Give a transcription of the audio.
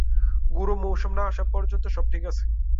গুড় মৌসুম না আসা পর্যন্ত সব ঠিক আছে।